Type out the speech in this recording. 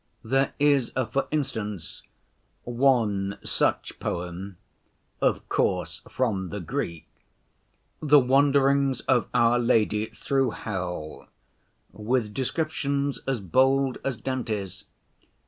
There is, for instance, one such poem (of course, from the Greek), The Wanderings of Our Lady through Hell, with descriptions as bold as Dante's.